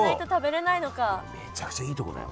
めちゃくちゃいいとこだよ。